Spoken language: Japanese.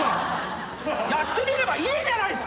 やってみればいいじゃないっすか。